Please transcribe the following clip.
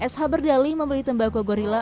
sh berdali membeli tembakau gorilla